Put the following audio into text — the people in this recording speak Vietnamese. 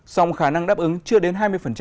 song khả năng đáp ứng chưa đến hai mươi